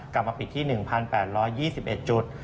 กลับมาปิดที่๑๘๒๑จุด